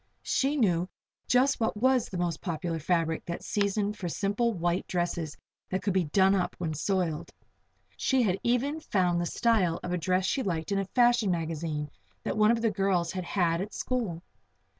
She knew just what was the most popular fabric that season for simple white dresses that could be "done up" when soiled. She had even found the style of a dress she liked in a fashion magazine that one of the girls had had at school.